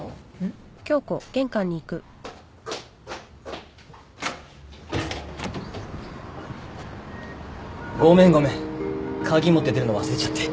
ん？ごめんごめん鍵持って出るの忘れちゃって。